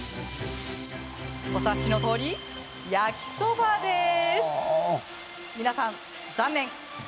お察しのとおり焼きそばです。